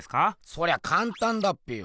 そりゃかんたんだっぺよ。